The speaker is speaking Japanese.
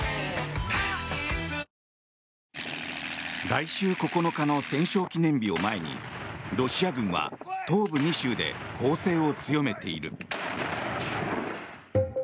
来週９日の戦勝記念日を前にロシア軍は東部２州で攻勢を強めている。